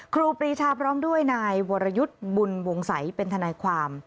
ครูปรีชาพร้อมด้วยนายวรยุทธ์บุญวงศัยเป็นทนายความ